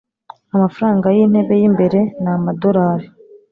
Amafaranga yintebe yimbere ni amadorari